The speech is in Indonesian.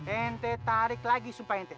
ente tarik lagi sumpah inte